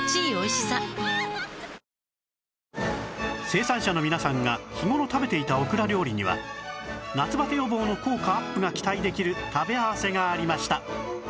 生産者の皆さんが日頃食べていたオクラ料理には夏バテ予防の効果アップが期待できる食べ合わせがありました